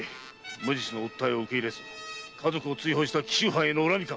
無実の訴えを受け入れず家族を追放した藩への恨みか？